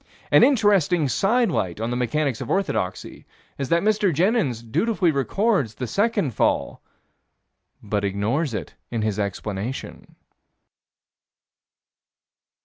An interesting sidelight on the mechanics of orthodoxy is that Mr. Jenyns dutifully records the second fall, but ignores it in his explanation.